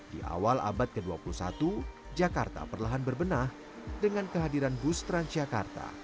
di awal abad ke dua puluh satu jakarta perlahan berbenah dengan kehadiran bus transjakarta